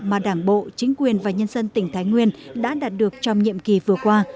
mà đảng bộ chính quyền và nhân dân tỉnh thái nguyên đã đạt được trong nhiệm kỳ vừa qua